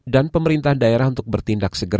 dan pemerintah daerah untuk bertindak segera